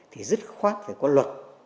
thì rất khoát phải có lợi ích